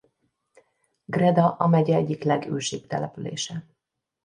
Greda a megye egyik legősibb települése.